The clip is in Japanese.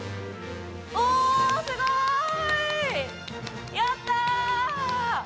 おおすごい！